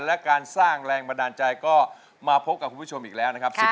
และการสร้างแรงบันดาลใจก็มาพบกับคุณผู้ชมอีกแล้วนะครับ